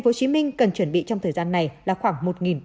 tp hcm cần chuẩn bị trong thời gian này là khoảng một bảy trăm linh